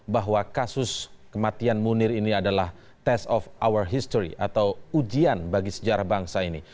bahwa kasus kematian munir ini adalah test of our history atau ujian bagi sejarah bangsa ini